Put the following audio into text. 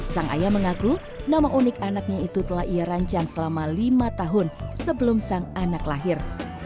sang ayah mengaku nama unik anaknya itu telah ia rancang selama lima tahun sebelum sang anak lahir